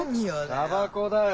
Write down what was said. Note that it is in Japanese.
タバコだよ